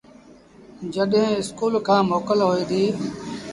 جڏهيݩ اسڪُول کآݩ موڪل هوئي ديٚ